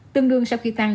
tương đương sau khi tăng